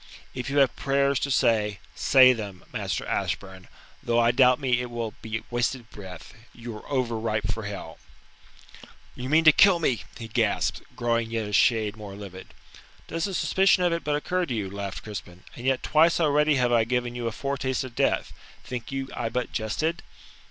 If you have prayers to say, say them, Master Ashburn, though I doubt me it will be wasted breath you are over ripe for hell." "You mean to kill me," he gasped, growing yet a shade more livid. "Does the suspicion of it but occur to you?" laughed Crispin, "and yet twice already have I given you a foretaste of death. Think you I but jested?"